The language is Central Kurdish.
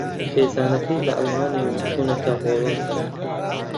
خێزانەکەی لە ئەڵمانیاوە چوونەتە ھۆڵەندا